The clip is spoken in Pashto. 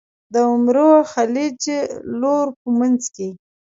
د عمرو خلیج لرو په منځ کې.